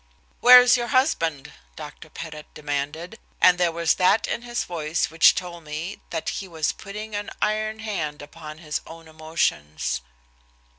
"Where is your husband?" Dr. Pettit demanded, and there was that in his voice which told me that he was putting an iron hand upon his own emotions.